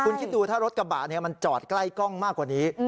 คุณคิดดูถ้ารถกระบะมันจอดใกล้กล้องมากกว่านี้